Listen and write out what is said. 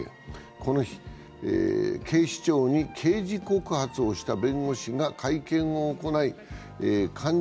この日、警視庁に刑事告発をした弁護士が会見を行い、患者